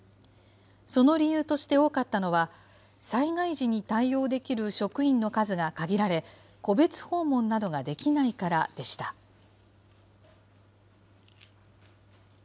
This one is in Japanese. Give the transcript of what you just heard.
その理由として多かったのは、災害時に対応できる職員の数が限られ、戸別訪問などができないからでした。